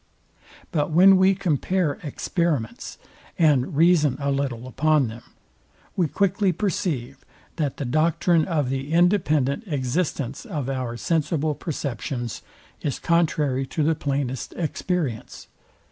But when we compare experiments, and reason a little upon them, we quickly perceive, that the doctrine of the independent existence of our sensible perceptions is contrary to the plainest experience.